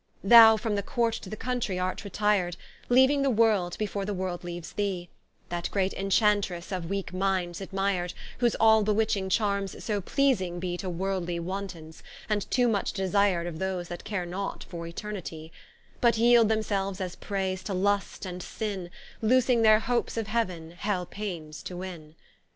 Thou from the Court to the Countrie art retir'd, Leaving the world, before the world leaves thee: That great Enchantresse of weak mindes admir'd, Whose all bewitching charmes so pleasing be To worldly wantons; and too much desir'd Of those that care not for Eternitie: But yeeld themselves as preys to Lust and Sinne, Loosing their hopes of Heav'n Hell paines to winne.